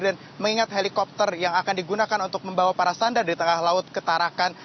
dan mengingat helikopter yang akan digunakan untuk membawa para sandera di tengah laut ketarakan